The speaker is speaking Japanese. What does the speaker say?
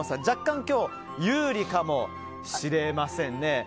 若干、今日は有利かもしれませんね。